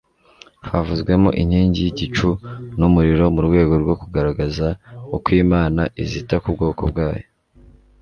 havuzwemo inkingi y'igicu n'umuriro mu rwego rwo kugaragaza uko imana izita ku bwoko bwayo